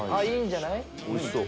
おいしそう！